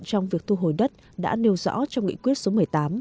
trong việc thu hồi đất đã nêu rõ trong nghị quyết số một mươi tám